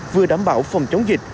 vừa đảm bảo phòng chống dịch